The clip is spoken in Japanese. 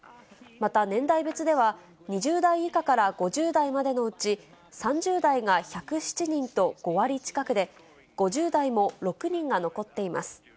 また年代別では、２０代以下から５０代までのうち、３０代が１０７人と５割近くで、５０代も６人が残っています。